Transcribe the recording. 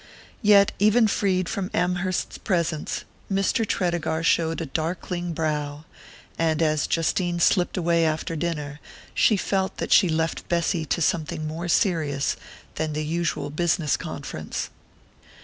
Yet even freed from Amherst's presence Mr. Tredegar showed a darkling brow, and as Justine slipped away after dinner she felt that she left Bessy to something more serious than the usual business conference.